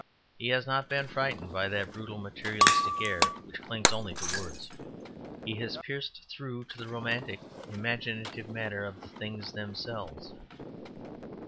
He has not been frightened by that brutal materialistic air which clings only to words; he has pierced through to the romantic, imaginative matter of the things themselves.